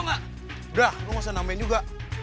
udah lo gak usah namain juga